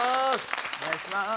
お願いします。